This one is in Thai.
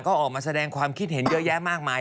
ก็ออกมาแสดงความคิดเห็นเยอะแยะมากมาย